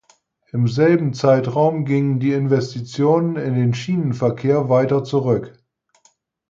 Im selben Zeitraum gingen die Investitionen in den Schienenverkehr weiter zurück.